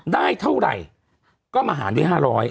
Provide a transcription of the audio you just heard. ได้เท่าไหร่ก็มาหารได้๕๐๐